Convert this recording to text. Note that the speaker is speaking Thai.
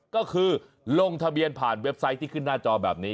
ก็คือลงทะเบียนผ่านเว็บไซต์ที่ขึ้นหน้าจอแบบนี้